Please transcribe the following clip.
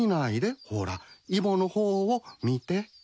ほらイボの方を見て。